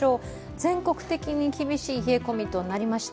全国的に厳しい冷え込みとなりました。